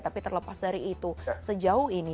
tapi terlepas dari itu sejauh ini